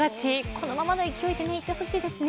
このままの勢いでいってほしいですね。